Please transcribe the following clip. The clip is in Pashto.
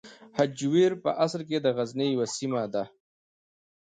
هجویر په اصل کې د غزني یوه سیمه ده.